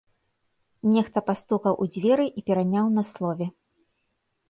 Нехта пастукаў у дзверы і пераняў на слове.